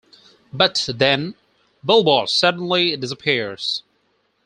But then, Belboz suddenly disappears.